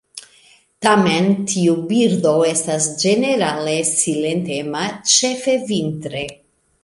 Tamen tiu birdo estas ĝenerale silentema ĉefe vintre.